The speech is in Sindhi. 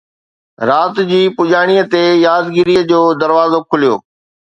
رات جي پڄاڻيءَ تي يادگيريءَ جو دروازو کليو